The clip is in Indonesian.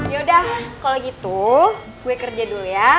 yaudah kalau gitu gue kerja dulu ya